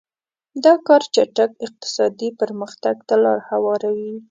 دا کار چټک اقتصادي پرمختګ ته لار هواروي.